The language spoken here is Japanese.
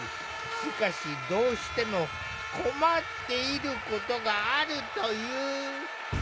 しかしどうしても困っていることがあるという。